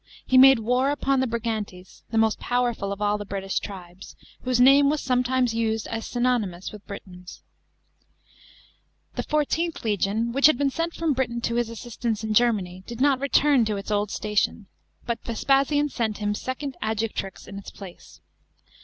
He made war upon the Brigantes, the most powerful of all the British tribes, whose name was sometimes used as synonymous with " Britons." The XlVth legion, which had been sent from Britain to his assistance in Germany, did not return to its old station, but Vespasian sent him II. Adjutrix in its place.